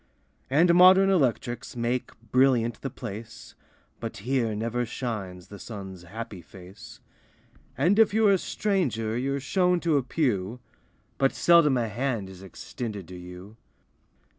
And modern electrics Make brilliant the place, But here never shines The sun's happy face. And if you're a stranger You're shown to a pew, 74 LIFE WAVES But seldom a hand Is extended to you.